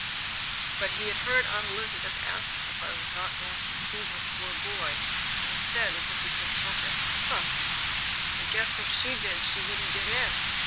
But he had heard Aunt Elizabeth asking if I were not going to see that poor dear boy, and he said, as if he couldn't help it: "Huh! I guess if she did she wouldn't get in.